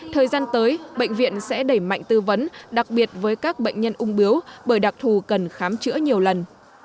thời gian tới bệnh viện sẽ đẩy mạnh tư vấn đặc biệt với các bệnh nhân ung bướu bởi đặc thù cần khám chữa nhiều lần